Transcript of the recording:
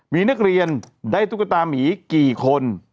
มีนักเรียนได้ตุ๊กตามีกี่คน